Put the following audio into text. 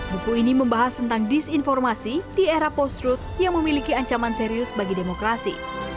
buku ini membahas tentang disinformasi di era post truth yang memiliki ancaman serius bagi demokrasi